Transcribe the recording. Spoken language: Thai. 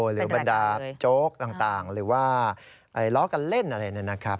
บรรดาโจ๊กต่างหรือว่าล้อกันเล่นอะไรนะครับ